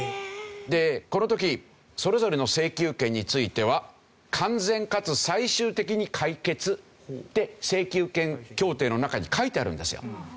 でこの時それぞれの請求権については「完全かつ最終的に解決」って請求権協定の中に書いてあるんですよ。